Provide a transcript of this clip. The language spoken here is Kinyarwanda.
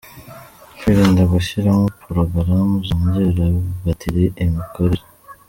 Kwirinda gushyiramo porogaramu zongerera batiri imikorere.